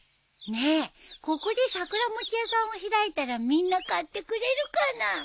ねえここで桜餅屋さんを開いたらみんな買ってくれるかな？